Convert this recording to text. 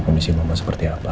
kondisi mama seperti apa